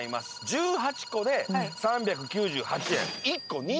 １８個で３９８円。